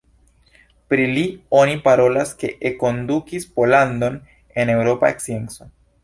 Pri li oni parolas ke enkondukis Pollandon en eŭropa scienco.